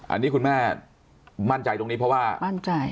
อันนี้คุณแม่มั่นใจตรงนี้เพราะว่ามั่นใจ